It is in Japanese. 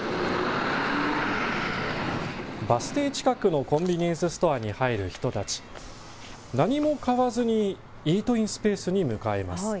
バス停近くのコンビニエンスストアに入る人たち何も買わずにイートインスペースに向かいます。